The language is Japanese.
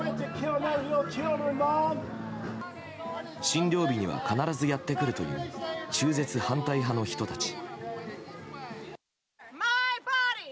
診療日には必ずやってくるという中絶反対派の人たち。